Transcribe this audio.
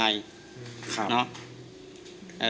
ดียวดีที่ต้องปรึกษา